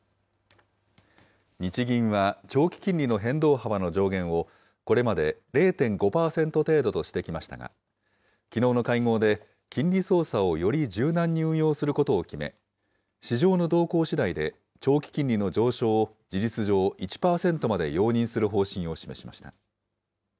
日銀は長期金利の変動幅の上限を、これまで０．５％程度としてきましたが、きのうの会合で金利操作をより柔軟に運用することを決め、市場の動向しだいで長期金利の上昇を事実上１％まで容認する方針を示しました。